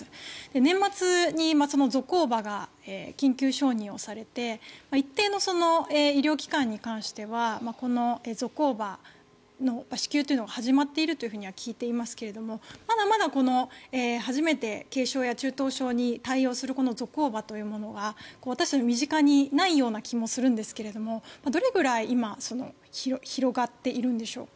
年末にゾコーバが緊急承認されて一定の医療機関に関してはゾコーバの支給が始まっていると聞いていますがまだまだ初めて軽症や中等症に対応するこのゾコーバというものは私たち、身近にないような気もするんですがどれぐらい今、広がっているんでしょうか。